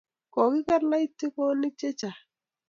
kokiker loitikonik che chang